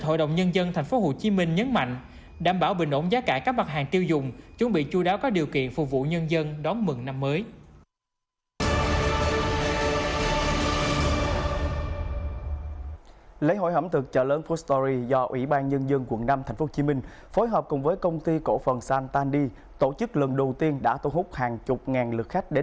hội đồng nhân dân tp hcm đã thông qua năm mươi nghi quyết là những nghi quyết đẩy cho sự phát triển về kinh tế